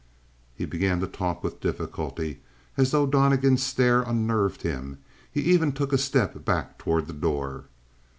He began to talk with difficulty, as though Donnegan's stare unnerved him. He even took a step back toward the door.